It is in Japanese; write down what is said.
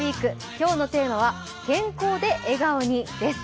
今日のテーマは「健康で笑顔に」です。